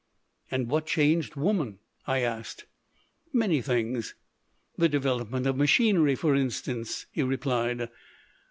"And what changed woman?" I asked. "Many things; the development of machinery, for instance," he replied.